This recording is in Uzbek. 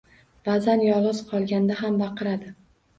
Baʼzan yolgʻiz qolganda ham baqiradi.